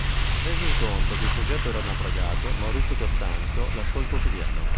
Resosi conto che il progetto era naufragato, Maurizio Costanzo lasciò il quotidiano.